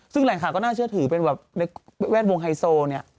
ซึ่งแหล่งข่าวก็น่าเชื่อถือเป็นแว่นวงไฮโซล